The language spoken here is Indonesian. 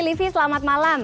livi selamat malam